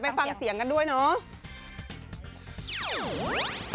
อ่ะเดี๋ยวไปฟังเสียงกันด้วยเนอะ